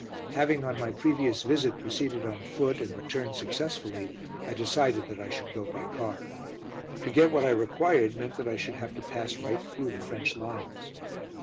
Having on my previous visit proceeded on foot, and returned successfully, I decided that I should go by car. To get what I required meant that I should have to pass right through the French lines.